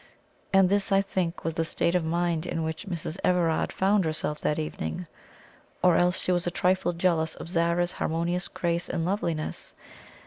And this, I think, was the state of mind in which Mrs. Everard found herself that evening; or else she was a trifle jealous of Zara's harmonious grace and loveliness.